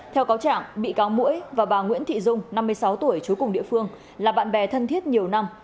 theo cáo trạng bị cáo mũi và bà nguyễn thị dung năm mươi sáu tuổi trú cùng địa phương là bạn bè thân thiết nhiều năm